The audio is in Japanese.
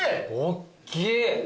おっきい。